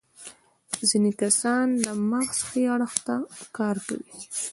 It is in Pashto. ځينې کسان د مغز ښي اړخ کاروي.